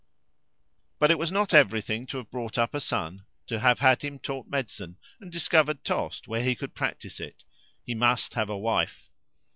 But it was not everything to have brought up a son, to have had him taught medicine, and discovered Tostes, where he could practice it; he must have a wife.